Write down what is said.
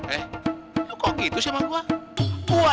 eh kok gitu sih emang gua